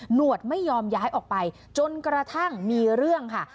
หวดไม่ยอมย้ายออกไปจนกระทั่งมีเรื่องค่ะ